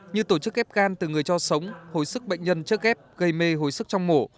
như tổ chức ghép gan từ người cho sống hồi sức bệnh nhân trước ghép gây mê hồi sức trong mổ